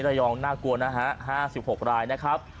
น่ายน่ากลัวนะฮะ๕๖รายนะครับ